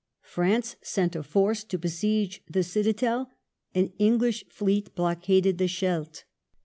France sent a force to besiege the citadel ; an English fleet blockaded the Scheldt.